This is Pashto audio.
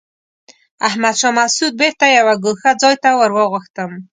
احمد شاه مسعود بېرته یوه ګوښه ځای ته ور وغوښتم.